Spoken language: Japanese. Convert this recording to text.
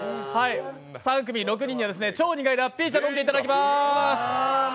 ３組６人には超苦いラッピー茶、飲んでいただきます。